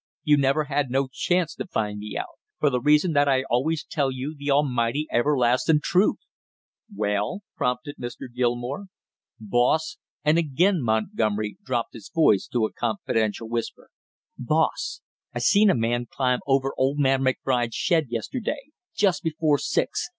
You never had no chance to find me out; for the reason that I always tell you the almighty everlastin' truth!" "Well?" prompted Mr. Gilmore. "Boss," and again Montgomery dropped his voice to a confidential whisper, "boss, I seen a man climb over old man McBride's shed yesterday just before six.